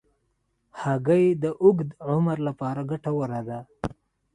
هګۍ د اوږد عمر لپاره ګټوره ده.